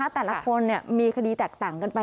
แต่ละคนมีคดีแตกต่างกันไป